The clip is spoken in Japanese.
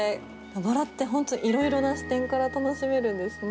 バラって本当に色々な視点から楽しめるんですね。